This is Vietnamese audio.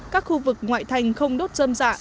các khu vực ngoại thành không đốt dâm dạ